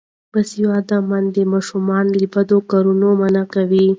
باسواده میندې ماشومان له بدو کارونو منع کوي.